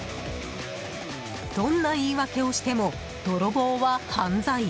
どんな言い訳をしても泥棒は犯罪。